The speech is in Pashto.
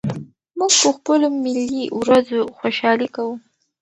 موږ په خپلو ملي ورځو خوشالي کوو.